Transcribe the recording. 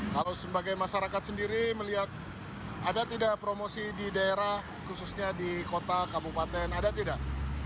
kalau sebagai masyarakat sendiri melihat ada tidak promosi di daerah khususnya di kota kabupaten ada tidak